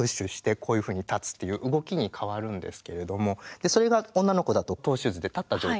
こういうふうに立つっていう動きに変わるんですけれどもそれが女の子だとトーシューズで立った状態になるわけですよね。